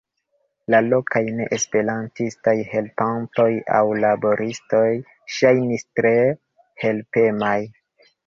La lokaj neesperantistaj helpantoj aŭ laboristoj ŝajnis tre helpemaj.